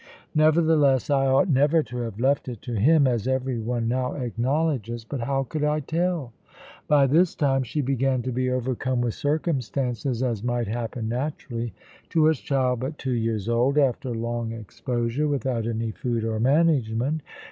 Nevertheless I ought never to have left it to Him, as every one now acknowledges. But how could I tell? By this time she began to be overcome with circumstances, as might happen naturally to a child but two years old, after long exposure without any food or management.